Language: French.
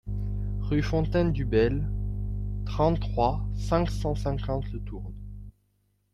Rue Fontaine du Bayle, trente-trois, cinq cent cinquante Le Tourne